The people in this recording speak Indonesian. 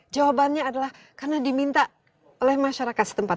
jawabannya adalah karena diminta oleh masyarakat setempat